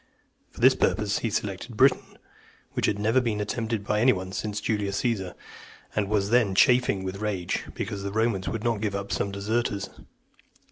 For this purpose, he selected Britain, which had never been attempted by any one since Julius Caesar , and was then chafing (309) with rage, because the Romans would not give up some deserters.